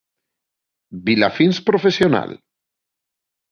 ¿Vilafíns profesional?